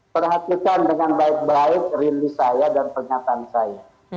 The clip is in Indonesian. perhatikan dengan baik baik rindu saya dan pernyataan saya